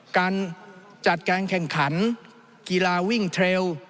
การจัดการแข่งขันกีฬาวิ่งเทรล